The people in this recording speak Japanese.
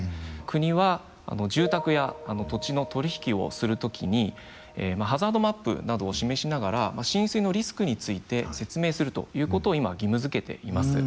国は住宅や土地の取り引きをする時にハザードマップなどを示しながら浸水のリスクについて説明するということを今義務づけています。